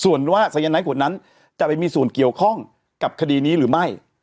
ส่วนว่าสายนายขวดนั้นจะไปมีส่วนเกี่ยวข้องกับคดีนี้หรือไม่